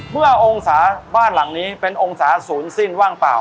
มองศาบ้านหลังนี้เป็นองศาศูนย์สิ้นว่างเปล่า